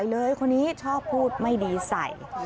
เจอบ่อยเลยคนนี้ชอบพูดไม่ดีใส